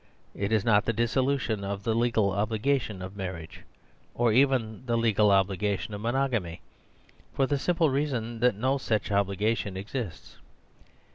It is not the dissolution of the legal obligation of mar riage, or even the legal obligation of monog amy; for the simple reason that no such obli gation exists.